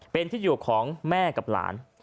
เป็นที่อยู่ของแม่กับหลาน